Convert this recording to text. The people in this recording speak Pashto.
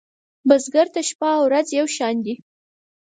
بزګر ته شپه ورځ یو شان دي